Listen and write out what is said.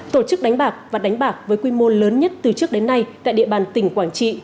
tổ chức đánh bạc và đánh bạc với quy mô lớn nhất từ trước đến nay tại địa bàn tỉnh quảng trị